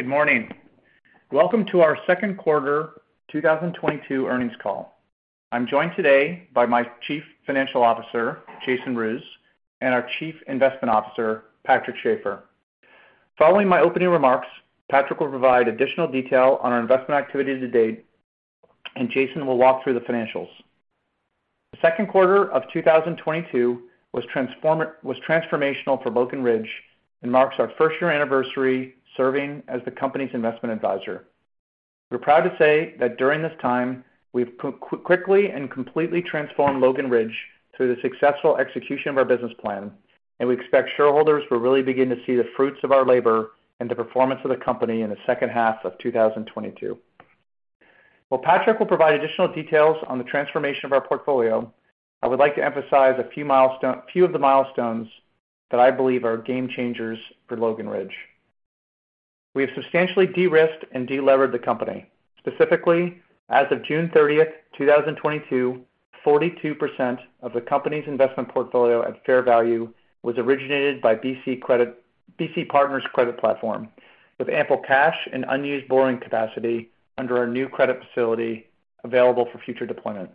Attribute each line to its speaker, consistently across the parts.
Speaker 1: Good morning. Welcome to our second quarter 2022 earnings call. I'm joined today by my Chief Financial Officer, Jason Roos, and our Chief Investment Officer, Patrick Schafer. Following my opening remarks, Patrick will provide additional detail on our investment activity to date, and Jason will walk through the financials. The second quarter of 2022 was transformational for Logan Ridge and marks our first-year anniversary serving as the company's investment advisor. We're proud to say that during this time, we've quickly and completely transformed Logan Ridge through the successful execution of our business plan. We expect shareholders will really begin to see the fruits of our labor and the performance of the company in the second half of 2022. While Patrick will provide additional details on the transformation of our portfolio, I would like to emphasize a few of the milestones that I believe are game changers for Logan Ridge. We have substantially de-risked and de-levered the company. Specifically, as of June 30th, 2022, 42% of the company's investment portfolio at fair value was originated by BC Partners Credit platform, with ample cash and unused borrowing capacity under our new credit facility available for future deployment.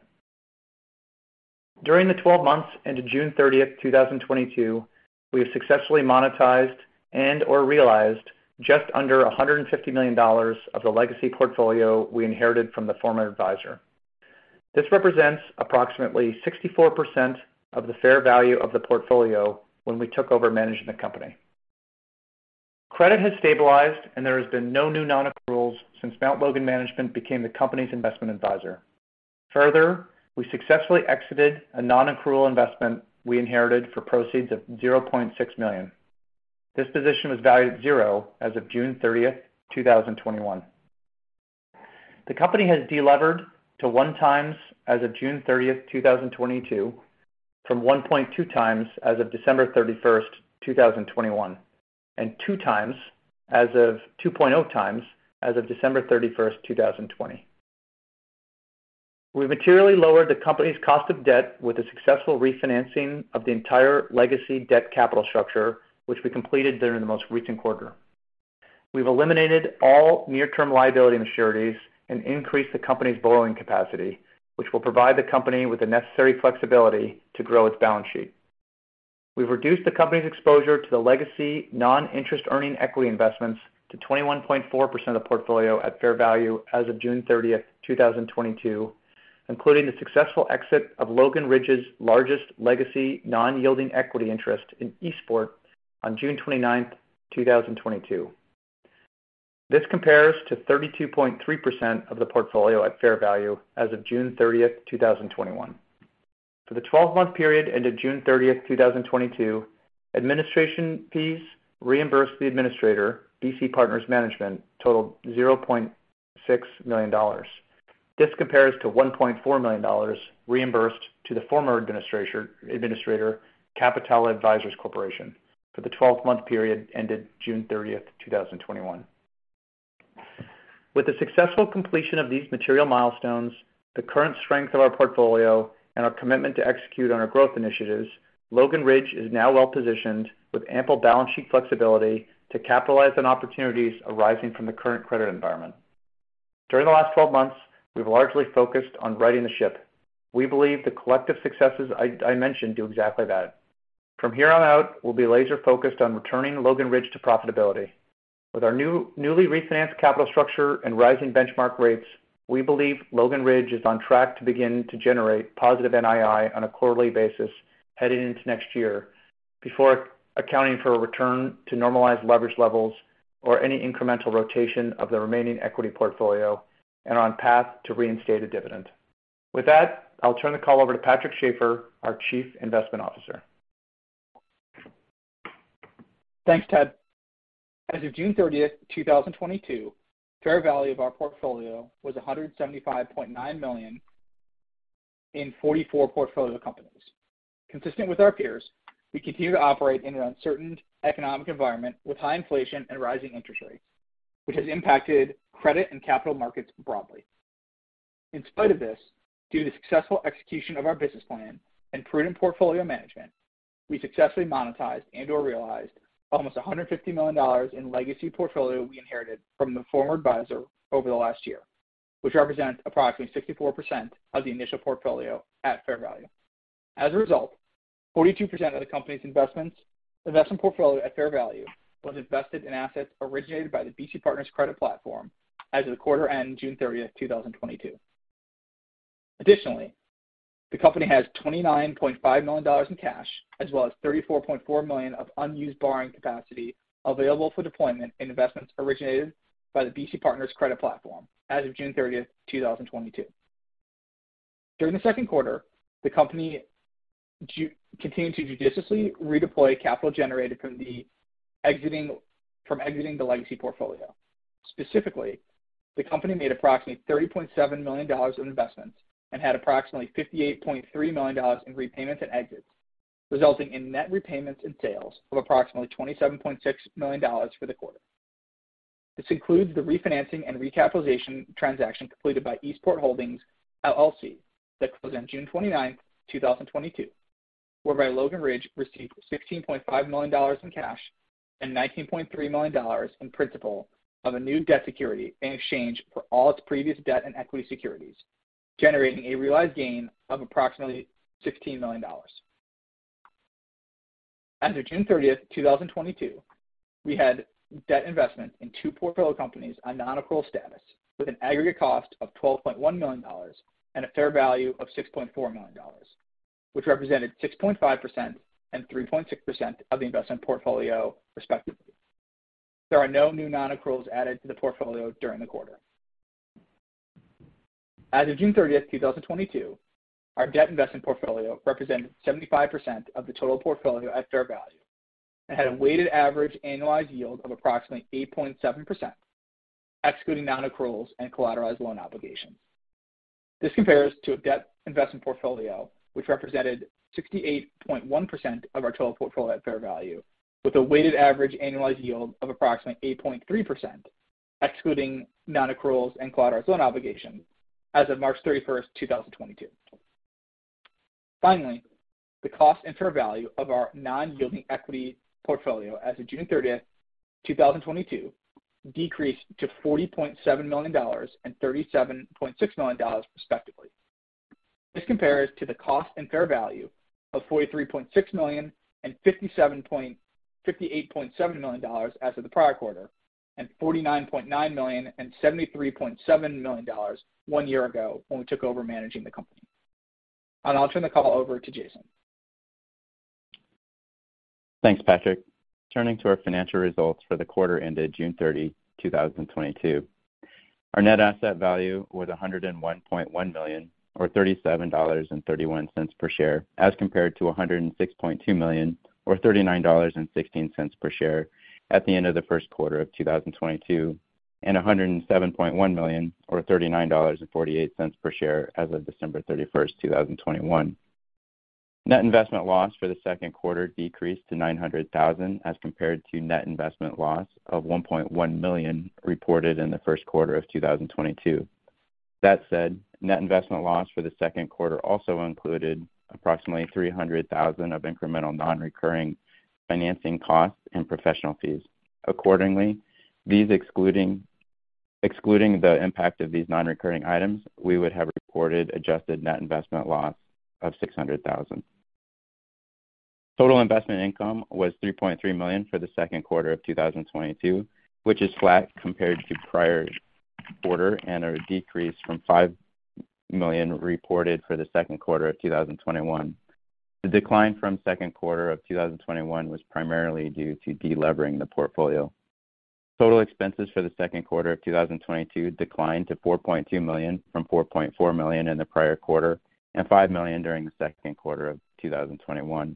Speaker 1: During the 12 months ended June 30th, 2022, we have successfully monetized and/or realized just under $150 million of the legacy portfolio we inherited from the former advisor. This represents approximately 64% of the fair value of the portfolio when we took over managing the company. Credit has stabilized, and there has been no new non-accruals since Mount Logan Management became the company's investment advisor. Further, we successfully exited a non-accrual investment we inherited for proceeds of $0.6 million. This position was valued at zero as of June thirtieth, 2021. The company has delevered to 1x as of June thirtieth, 2022, from 1.2x as of December 31st, 2021, and 2.0x as of December 31st, 2020. We materially lowered the company's cost of debt with the successful refinancing of the entire legacy debt capital structure, which we completed during the most recent quarter. We've eliminated all near-term liability maturities and increased the company's borrowing capacity, which will provide the company with the necessary flexibility to grow its balance sheet. We've reduced the company's exposure to the legacy non-interest-earning equity investments to 21.4% of the portfolio at fair value as of June 30th, 2022, including the successful exit of Logan Ridge's largest legacy non-yielding equity interest in Eastport on June th29, 2022. This compares to 32.3% of the portfolio at fair value as of June 30th, 2021. For the 12-month period ended June 30th, 2022, administration fees reimbursed the administrator, BC Partners Management, totaled $0.6 million. This compares to $1.4 million reimbursed to the former administrator, Capital Advisors Corporation, for the 12-month period ended June 30th, 2021. With the successful completion of these material milestones, the current strength of our portfolio and our commitment to execute on our growth initiatives, Logan Ridge is now well positioned with ample balance sheet flexibility to capitalize on opportunities arising from the current credit environment. During the last twelve months, we've largely focused on righting the ship. We believe the collective successes I mentioned do exactly that. From here on out, we'll be laser-focused on returning Logan Ridge to profitability. With our newly refinanced capital structure and rising benchmark rates, we believe Logan Ridge is on track to begin to generate positive NII on a quarterly basis heading into next year before accounting for a return to normalized leverage levels or any incremental rotation of the remaining equity portfolio and on path to reinstate a dividend. With that, I'll turn the call over to Patrick Schafer, our Chief Investment Officer.
Speaker 2: Thanks, Ted. As of June 30th, 2022, fair value of our portfolio was $175.9 million in 44 portfolio companies. Consistent with our peers, we continue to operate in an uncertain economic environment with high inflation and rising interest rates, which has impacted credit and capital markets broadly. In spite of this, due to the successful execution of our business plan and prudent portfolio management, we successfully monetized and/or realized almost $150 million in legacy portfolio we inherited from the former advisor over the last year, which represents approximately 64% of the initial portfolio at fair value. As a result, 42% of the company's investment portfolio at fair value was invested in assets originated by the BC Partners Credit platform as of the quarter ending June 30th, 2022. Additionally, the company has $29.5 million in cash, as well as $34.4 million of unused borrowing capacity available for deployment in investments originated by the BC Partners Credit platform as of June 30th, 2022. During the second quarter, the company continued to judiciously redeploy capital generated from exiting the legacy portfolio. Specifically, the company made approximately $30.7 million in investments and had approximately $58.3 million in repayments and exits, resulting in net repayments and sales of approximately $27.6 million for the quarter. This includes the refinancing and recapitalization transaction completed by Eastport Holdings, LLC, that closed on June 29th, 2022. Whereby Logan Ridge received $16.5 million in cash and $19.3 million in principal of a new debt security in exchange for all its previous debt and equity securities, generating a realized gain of approximately $16 million. As of June 30th, 2022, we had debt investment in two portfolio companies on non-accrual status with an aggregate cost of $12.1 million and a fair value of $6.4 million, which represented 6.5% and 3.6% of the investment portfolio, respectively. There are no new non-accruals added to the portfolio during the quarter. As of June 30th, 2022, our debt investment portfolio represented 75% of the total portfolio at fair value and had a weighted average annualized yield of approximately 8.7%, excluding non-accruals and collateralized loan obligations. This compares to a debt investment portfolio which represented 68.1% of our total portfolio at fair value, with a weighted average annualized yield of approximately 8.3%, excluding non-accruals and collateralized loan obligations as of March 31st, 2022. Finally, the cost and fair value of our non-yielding equity portfolio as of June 30th, 2022 decreased to $40.7 million and $37.6 million, respectively. This compares to the cost and fair value of $43.6 million and $58.7 million as of the prior quarter, and $49.9 million and $73.7 million one year ago when we took over managing the company. I'll turn the call over to Jason.
Speaker 3: Thanks, Patrick. Turning to our financial results for the quarter ended June 30th, 2022. Our net asset value was $101.1 million or $37.31 per share, as compared to $106.2 million or $39.16 per share at the end of the first quarter of 2022, and $107.1 million or $39.48 per share as of December 31st, 2021. Net investment loss for the second quarter decreased to $900,000 as compared to net investment loss of $1.1 million reported in the first quarter of 2022. That said, net investment loss for the second quarter also included approximately $300,000 of incremental non-recurring financing costs and professional fees. Accordingly, excluding the impact of these non-recurring items, we would have reported adjusted net investment loss of $600,000. Total investment income was $3.3 million for the second quarter of 2022, which is flat compared to prior quarter and a decrease from $5 million reported for the second quarter of 2021. The decline from second quarter of 2021 was primarily due to delevering the portfolio. Total expenses for the second quarter of 2022 declined to $4.2 million from $4.4 million in the prior quarter and $5 million during the second quarter of 2021.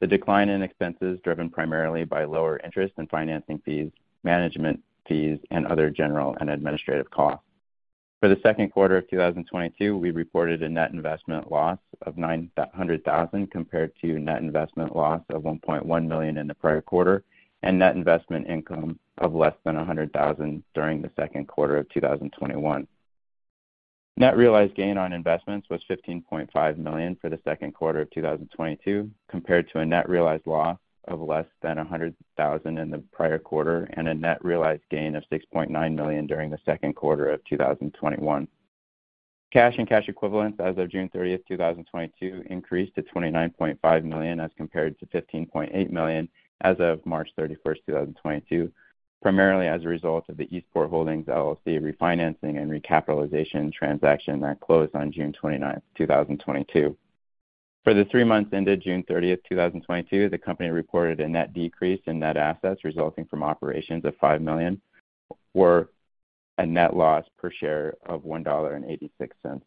Speaker 3: The decline in expenses driven primarily by lower interest and financing fees, management fees, and other general and administrative costs. For the second quarter of 2022, we reported a net investment loss of $900,000 compared to net investment loss of $1.1 million in the prior quarter and net investment income of less than $100,000 during the second quarter of 2021. Net realized gain on investments was $15.5 million for the second quarter of 2022 compared to a net realized loss of less than $100,000 in the prior quarter and a net realized gain of $6.9 million during the second quarter of 2021. Cash and cash equivalents as of June 30th, 2022 increased to $29.5 million as compared to $15.8 million as of March 31st, 2022, primarily as a result of the Eastport Holdings, LLC refinancing and recapitalization transaction that closed on June 29th, 2022. For the three months ended June 30th, 2022, the company reported a net decrease in net assets resulting from operations of $5 million, or a net loss per share of $1.86.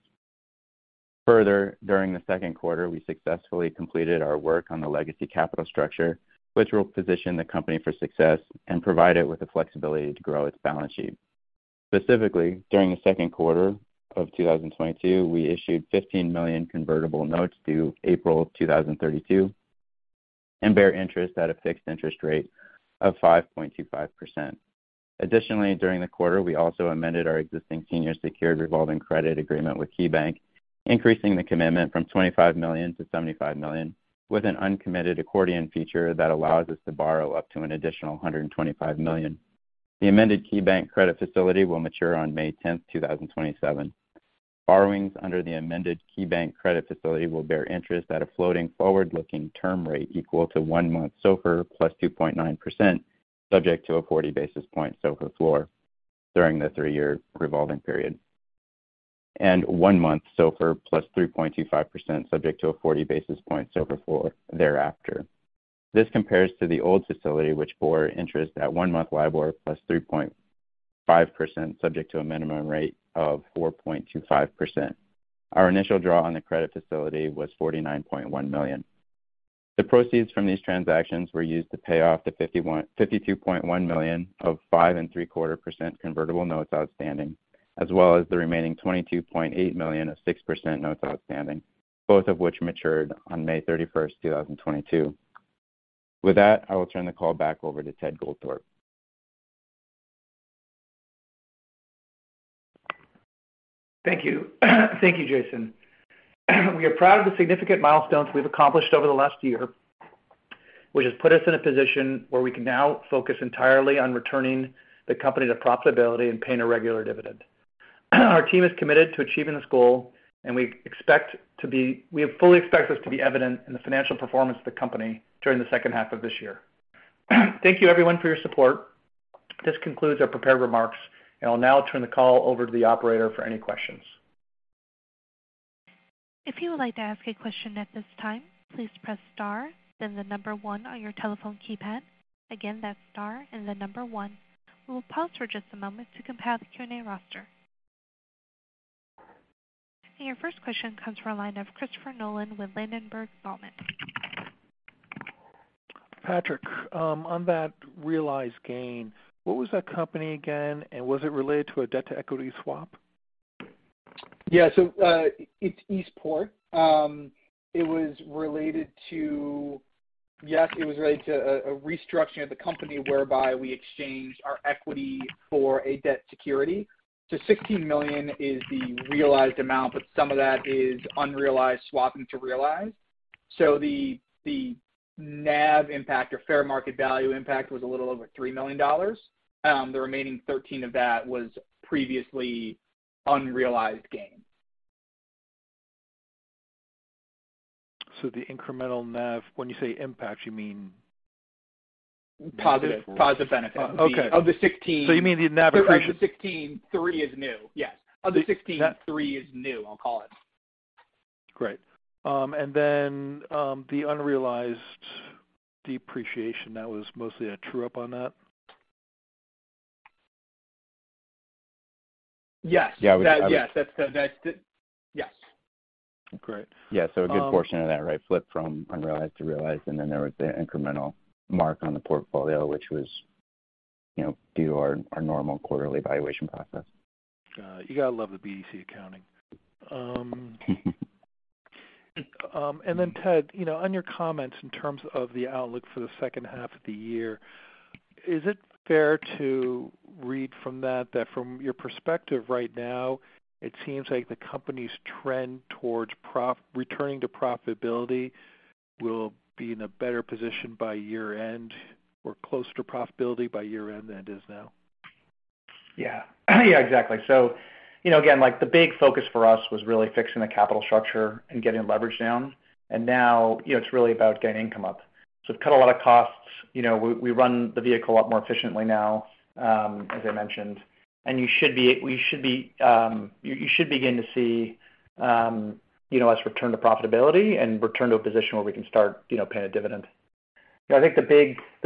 Speaker 3: Further, during the second quarter, we successfully completed our work on the legacy capital structure, which will position the company for success and provide it with the flexibility to grow its balance sheet. Specifically, during the second quarter of 2022, we issued $15 million convertible notes due April 2032 and bear interest at a fixed interest rate of 5.25%. Additionally, during the quarter, we also amended our existing senior secured revolving credit agreement with KeyBank, increasing the commitment from $25 million to $75 million with an uncommitted accordion feature that allows us to borrow up to an additional $125 million. The amended KeyBank credit facility will mature on May 10th, 2027. Borrowings under the amended KeyBank credit facility will bear interest at a floating forward-looking term rate equal to one-month SOFR +2.9%, subject to a 40 basis point SOFR floor during the three-year revolving period, and one-month SOFR +3.25% subject to a 40 basis point SOFR floor thereafter. This compares to the old facility which bore interest at one-month LIBOR +3.5%, subject to a minimum rate of 4.25%. Our initial draw on the credit facility was $49.1 million. The proceeds from these transactions were used to pay off the $52.1 million of 5.75% convertible notes outstanding, as well as the remaining $22.8 million of 6% notes outstanding, both of which matured on May 31st, 2022. With that, I will turn the call back over to Ted Goldthorpe.
Speaker 1: Thank you. Thank you, Jason. We are proud of the significant milestones we've accomplished over the last year, which has put us in a position where we can now focus entirely on returning the company to profitability and paying a regular dividend. Our team is committed to achieving this goal, and we fully expect this to be evident in the financial performance of the company during the second half of this year. Thank you everyone for your support. This concludes our prepared remarks, and I'll now turn the call over to the operator for any questions.
Speaker 4: If you would like to ask a question at this time, please press star then the number one on your telephone keypad. Again, that's star and the number one. We will pause for just a moment to compile the Q&A roster. Your first question comes from a line of Christopher Nolan with Ladenburg Thalmann.
Speaker 5: Patrick, on that realized gain, what was that company again, and was it related to a debt to equity swap?
Speaker 2: Yeah, it's Eastport. It was related to a restructuring of the company whereby we exchanged our equity for a debt security. $16 million is the realized amount, but some of that is unrealized swapping to realized. The NAV impact or fair market value impact was a little over $3 million. The remaining 13 of that was previously unrealized gain.
Speaker 5: The incremental NAV. When you say impact, you mean?
Speaker 2: Positive. Positive benefit.
Speaker 5: Okay.
Speaker 2: Of the 16-
Speaker 5: You mean the NAV-
Speaker 2: Right. The 16.3 is new. Yes. Of the 16.3 is new, I'll call it.
Speaker 5: Great. The unrealized depreciation, that was mostly a true-up on that?
Speaker 2: Yes.
Speaker 5: Yeah.
Speaker 2: That, yes. That's the. Yes.
Speaker 5: Great.
Speaker 3: Yeah. A good portion of that right flip from unrealized to realized, and then there was the incremental mark on the portfolio, which was, you know, due to our normal quarterly evaluation process.
Speaker 5: You gotta love the BDC accounting. Ted, you know, on your comments in terms of the outlook for the second half of the year, is it fair to read from that from your perspective right now, it seems like the company's trend towards returning to profitability will be in a better position by year-end or close to profitability by year-end than it is now?
Speaker 1: Yeah. Yeah, exactly. You know, again, like, the big focus for us was really fixing the capital structure and getting leverage down. Now, you know, it's really about getting income up. We've cut a lot of costs. You know, we run the vehicle a lot more efficiently now, as I mentioned. You should begin to see you know, us return to profitability and return to a position where we can start, you know, paying a dividend. You know, I think the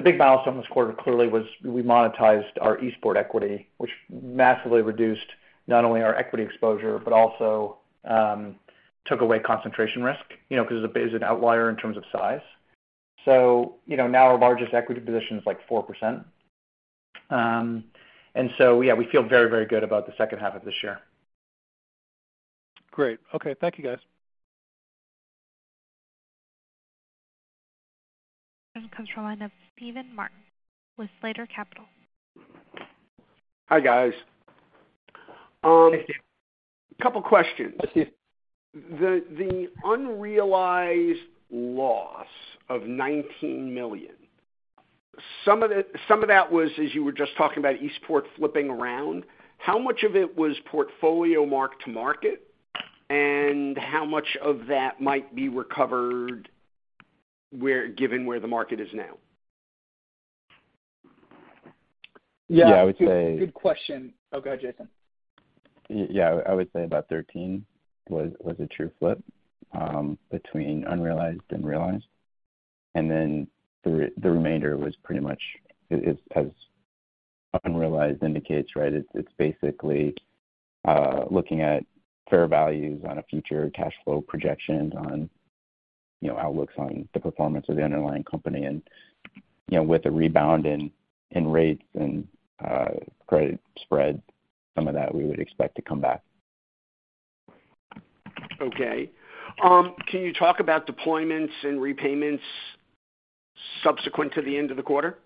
Speaker 1: big milestone this quarter clearly was we monetized our Eastport equity, which massively reduced not only our equity exposure, but also took away concentration risk, you know, because it's an outlier in terms of size. Now our largest equity position is, like, 4%. Yeah, we feel very, very good about the second half of this year.
Speaker 5: Great. Okay. Thank you, guys.
Speaker 4: Comes from the line of Steven Martin with Slater Capital.
Speaker 6: Hi, guys.
Speaker 1: Thank you.
Speaker 6: Couple questions.
Speaker 1: Yes, Steve.
Speaker 6: The unrealized loss of $19 million, some of that was, as you were just talking about, Eastport flipping around. How much of it was portfolio mark-to-market, and how much of that might be recovered where, given where the market is now?
Speaker 2: Yeah.
Speaker 3: Yeah, I would say.
Speaker 2: Good question. Oh, go ahead, Jason.
Speaker 3: Yeah, I would say about 13 was a true flip between unrealized and realized. The remainder was pretty much as unrealized indicates, right? It's basically looking at fair values on a future cash flow projections on you know, outlooks on the performance of the underlying company. You know, with the rebound in rates and credit spread, some of that we would expect to come back.
Speaker 6: Okay. Can you talk about deployments and repayments subsequent to the end of the quarter?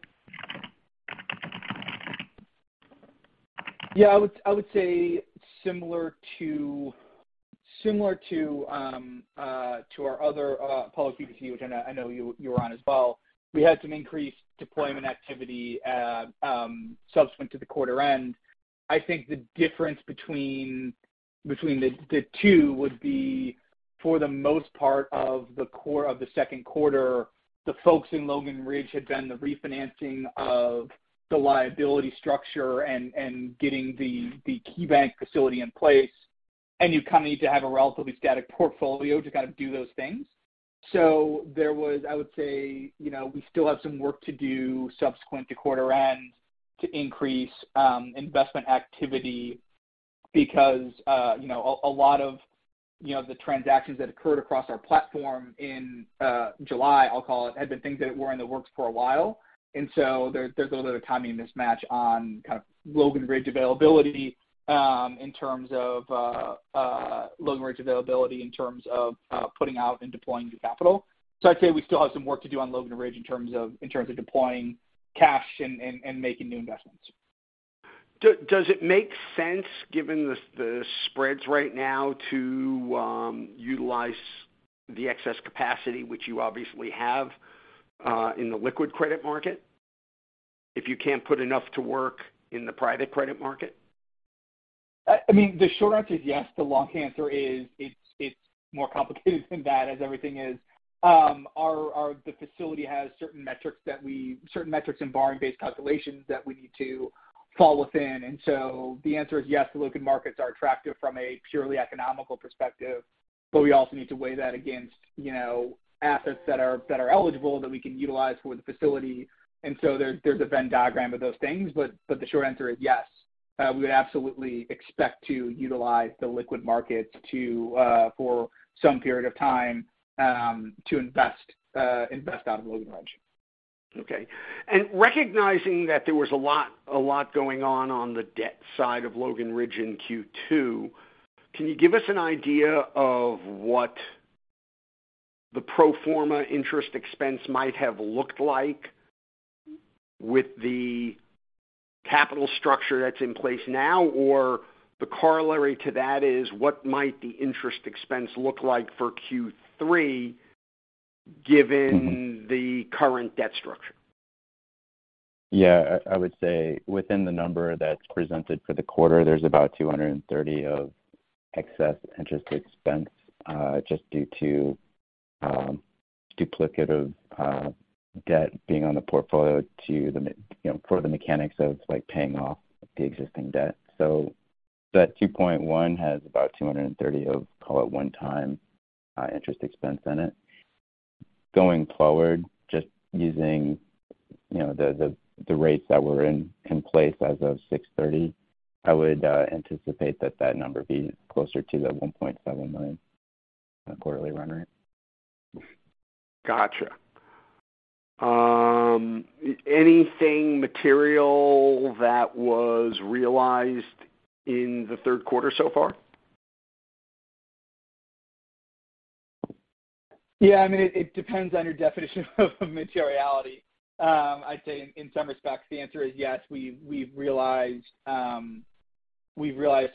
Speaker 2: Yeah. I would say similar to our other public BDC, which I know you were on as well, we had some increased deployment activity subsequent to the quarter end. I think the difference between the two would be for the most part of the second quarter, the folks in Logan Ridge had done the refinancing of the liability structure and getting the KeyBank facility in place. You kind of need to have a relatively static portfolio to kind of do those things. There was, I would say, you know, we still have some work to do subsequent to quarter end to increase investment activity because, you know, a lot of, you know, the transactions that occurred across our platform in July, I'll call it, had been things that were in the works for a while. There's a little bit of timing mismatch on kind of Logan Ridge availability in terms of putting out and deploying new capital. I'd say we still have some work to do on Logan Ridge in terms of deploying cash and making new investments.
Speaker 6: Does it make sense given the spreads right now to utilize the excess capacity which you obviously have in the liquid credit market if you can't put enough to work in the private credit market?
Speaker 2: I mean, the short answer is yes. The long answer is it's more complicated than that, as everything is. The facility has certain metrics and borrowing-based calculations that we need to fall within. The answer is yes, the liquid markets are attractive from a purely economic perspective, but we also need to weigh that against, you know, assets that are eligible that we can utilize for the facility. There's a Venn diagram of those things. The short answer is yes, we would absolutely expect to utilize the liquid markets to, for some period of time, to invest out of Logan Ridge.
Speaker 6: Okay. Recognizing that there was a lot going on on the debt side of Logan Ridge in Q2, can you give us an idea of what the pro forma interest expense might have looked like with the capital structure that's in place now? Or the corollary to that is what might the interest expense look like for Q3 given-
Speaker 2: Mm-hmm.
Speaker 6: The current debt structure?
Speaker 3: Yeah. I would say within the number that's presented for the quarter, there's about $230,000 of excess interest expense, just due to duplicative debt being on the portfolio, you know, per the mechanics of like paying off the existing debt. That $2.1 million has about $230,000 of, call it, one-time interest expense in it. Going forward, just using, you know, the rates that were in place as of June 30th, I would anticipate that that number be closer to the $1.7 million on a quarterly run rate.
Speaker 6: Gotcha. Anything material that was realized in the third quarter so far?
Speaker 2: Yeah. I mean, it depends on your definition of materiality. I'd say in some respects the answer is yes. We've realized some exits.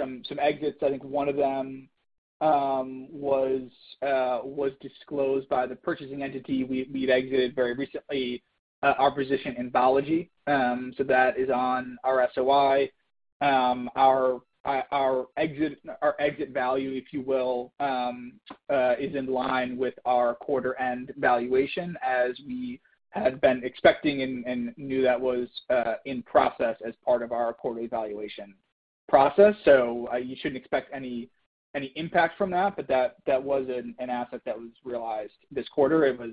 Speaker 2: I think one of them was disclosed by the purchasing entity. We've exited very recently our position in Vology. That is on our SOI. Our exit value, if you will, is in line with our quarter-end valuation as we had been expecting and knew that was in process as part of our quarterly valuation process. You shouldn't expect any impact from that. That was an asset that was realized this quarter. It was,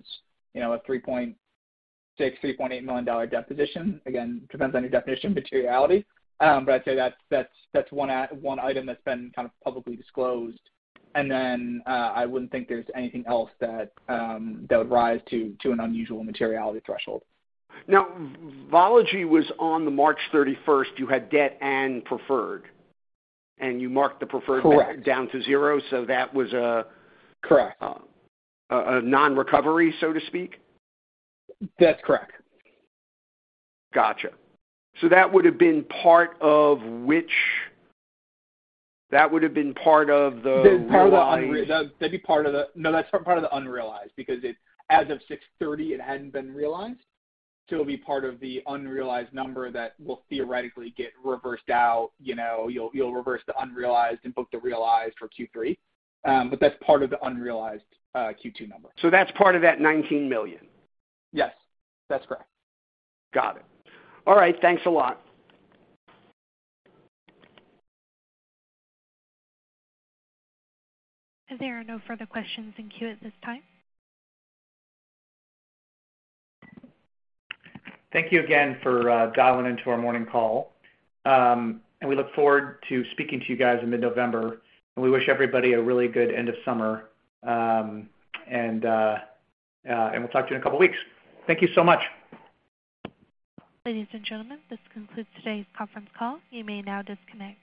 Speaker 2: you know, a $3.6-$3.8 million debt position. Again, depends on your definition of materiality. I'd say that's one item that's been kind of publicly disclosed. I wouldn't think there's anything else that would rise to an unusual materiality threshold.
Speaker 6: Now, Vology was on March 31st. You had debt and preferred, and you marked the preferred-
Speaker 2: Correct.
Speaker 6: down to zero.
Speaker 2: Correct.
Speaker 6: A non-accrual, so to speak?
Speaker 2: That's correct.
Speaker 6: Gotcha. That would have been part of the realized-
Speaker 2: That'd be part of the unrealized. No, that's part of the unrealized. Because it, as of 6/30, it hadn't been realized. It'll be part of the unrealized number that will theoretically get reversed out. You know, you'll reverse the unrealized and book the realized for Q3. But that's part of the unrealized Q2 number.
Speaker 6: That's part of that $19 million?
Speaker 2: Yes, that's correct.
Speaker 6: Got it. All right, thanks a lot.
Speaker 4: There are no further questions in queue at this time.
Speaker 1: Thank you again for dialing into our morning call. We look forward to speaking to you guys in mid-November. We wish everybody a really good end of summer. We'll talk to you in a couple weeks. Thank you so much.
Speaker 4: Ladies and gentlemen, this concludes today's conference call. You may now disconnect.